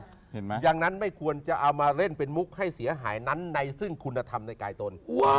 เห็นไหมดังนั้นไม่ควรจะเอามาเล่นเป็นมุกให้เสียหายนั้นในซึ่งคุณธรรมในกายตน